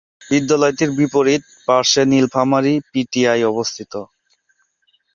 বিদ্যালয়টির বিপরীত পার্শ্বে Nilphamari P T I অবস্থিত।